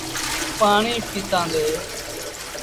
پآڻيٚ پيٚتآندي